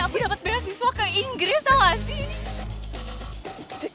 aku dapet beasiswa ke inggris tau gak sih